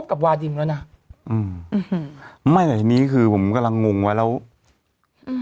อืมไม่แต่นี้คือผมกำลังงงไว้แล้วอืม